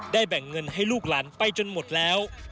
แบ่งเงินให้ลูกหลานไปจนหมดแล้ว